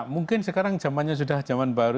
mungkin sekarang zamannya sudah zaman baru